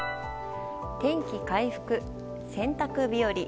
天気回復、洗濯日和。